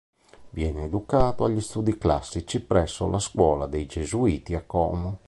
Viene educato agli studi classici presso la scuola dei Gesuiti a Como.